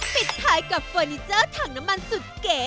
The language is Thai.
ปิดท้ายกับเฟอร์นิเจอร์ถังน้ำมันสุดเก๋